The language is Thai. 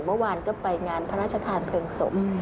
เมื่อวานก็ไปงานพระราชทานเพลิงศพ